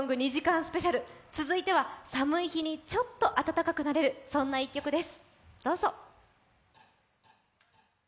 スペシャル、続いては寒い日にちょっと暖かくなれる、そんな１曲です。